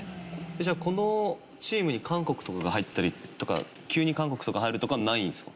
じゃあこのチームに韓国とかが入ったりとか急に韓国とか入るとかないんですか？